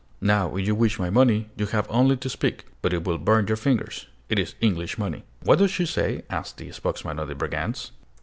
Now if you wish my money, you have only to speak; but it will burn your fingers: it is English money!" "What does she say?" asked the spokesman of the brigands.